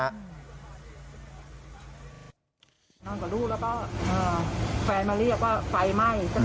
นอนกับลูกแล้วก็แฟนมาเรียกว่าไฟไหม้